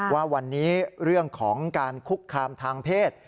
ว่าวันนี้เรื่องของการคุกคามทางเพศ